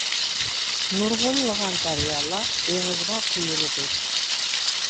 نۇرغۇنلىغان دەريالار دېڭىزغا قۇيۇلىدۇ.